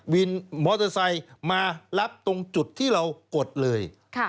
วินมอเตอร์ไซค์มารับตรงจุดที่เรากดเลย